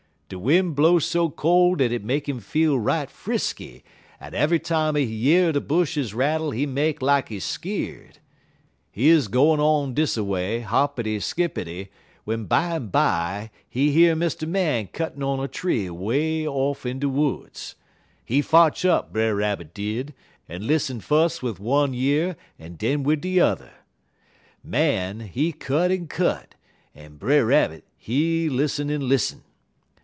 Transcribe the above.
De win' blow so col' dat it make 'im feel right frisky, en eve'y time he year de bushes rattle he make lak he skeerd. He 'uz gwine on dis a way, hoppity skippity, w'en bimeby he year Mr. Man cuttin' on a tree way off in de woods. He fotch up, Brer Rabbit did, en lissen fus' wid one year en den wid de yuther. "Man, he cut en cut, en Brer Rabbit, he lissen en lissen.